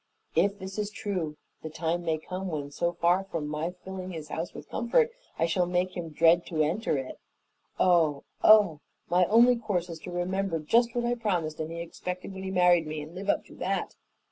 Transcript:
If this is true, the time may come when, so far from my filling his house with comfort, I shall make him dread to enter it. Oh, oh! My only course is to remember just what I promised and he expected when he married me, and live up to that."